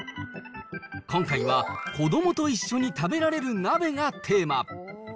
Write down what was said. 今回は子どもと一緒に食べられる鍋がテーマ。